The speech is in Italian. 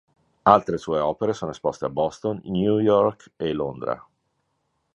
Altre sue opere sono esposte a Boston, New York e Londra.